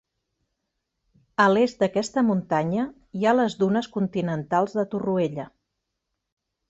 A l'est d'aquesta muntanya hi ha les dunes continentals de Torroella.